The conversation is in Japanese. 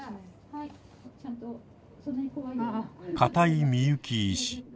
片井みゆき医師。